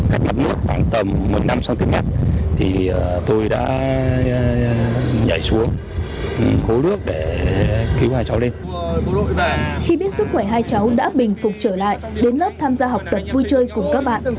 khi biết sức khỏe hai cháu đã bình phục trở lại đến lớp tham gia học tập vui chơi cùng các bạn